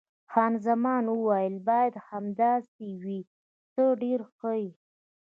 خان زمان وویل: باید همداسې وي، ته ډېر ښه یې.